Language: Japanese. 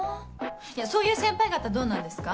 そういう先輩方どうなんですか？